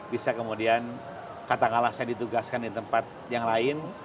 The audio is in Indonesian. bisa kemudian katakanlah saya ditugaskan di tempat yang lain